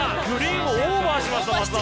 グリーンをオーバーしました。